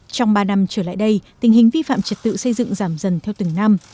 trong ba năm trở lại đây tình hình vi phạm trật tự xây dựng giảm dần theo từng năm